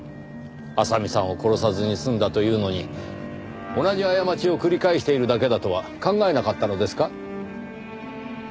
麻美さんを殺さずに済んだというのに同じ過ちを繰り返しているだけだとは考えなかったのですか？